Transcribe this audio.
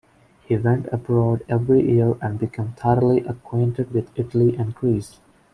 He went abroad every year and became thoroughly acquainted with Italy and Greece.